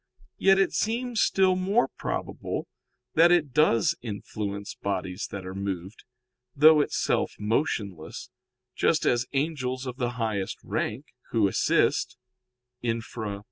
Yet it seems still more probable that it does influence bodies that are moved, though itself motionless, just as angels of the highest rank, who assist [*Infra, Q.